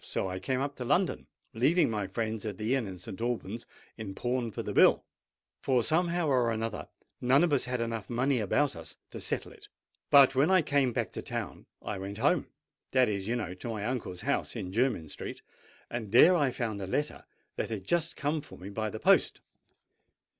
So I came up to London, leaving my friends at the inn at St. Alban's in pawn for the bill—for somehow or another none of us had money enough about us to settle it. Well, when I came back to town, I went home: that is, you know, to my uncle's house in Jermyn Street; and there I found a letter that had just come for me by the post.